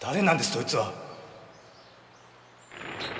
そいつは。